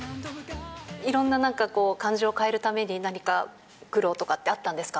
いろんななんか感情を変えるために何か苦労とかってあったんですか。